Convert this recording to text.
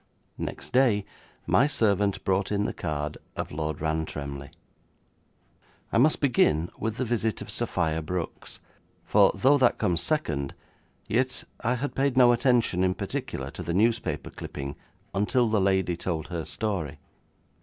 Next day my servant brought in the card of Lord Rantremly. I must begin with the visit of Sophia Brooks, for though that comes second, yet I had paid no attention in particular to the newspaper clipping until the lady told her story.